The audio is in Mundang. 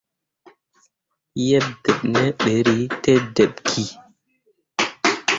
Gbǝ dǝb ne ɓerri te dǝɓ ki.